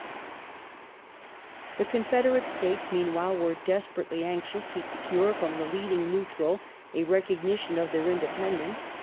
Attitude of The Confederate States, meanwhile, were desperately anxious the British ^q secure from the leadinor neutral a recognition of their indepen Govern